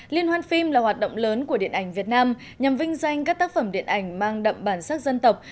liên hoan phim là hoạt động lớn của điện ảnh việt nam nhằm vinh danh các tác phẩm điện ảnh mang đậm bản sắc dân tộc